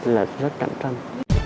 là rất cạnh tranh